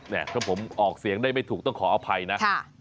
ถ้าผมออกเสียงได้ไม่ถูกต้องขออภัยนะ